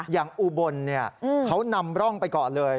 อย่างอุบลเขานำร่องไปเกาะเลย